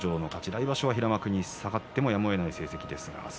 来場所は平幕に下がってもやむをえない成績です。